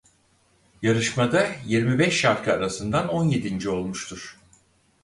Yarışmada yirmi beş şarkı arasından on yedinci olmuştur.